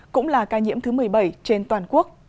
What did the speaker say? cũng là ca nhiễm thứ một mươi bảy trên toàn quốc